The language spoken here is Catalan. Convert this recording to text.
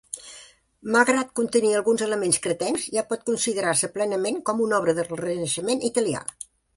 Malgrat contenir alguns elements cretencs, ja pot considerar-se plenament com una obra del Renaixement italià.